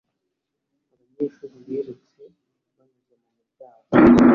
Abanyeshuri birutse banyuze mu muryango.